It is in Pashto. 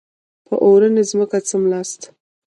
په اورنۍ ځمکه څملاست.